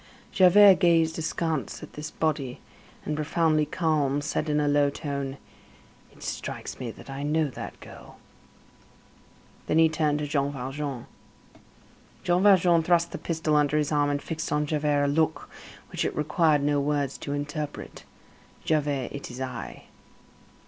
Javert gazed askance at this body, and, profoundly calm, said in a low tone: "It strikes me that I know that girl." Then he turned to Jean Valjean. Jean Valjean thrust the pistol under his arm and fixed on Javert a look which it required no words to interpret: "Javert, it is I."